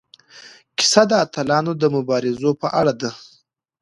کیسه د اتلانو د مبارزو په اړه ده.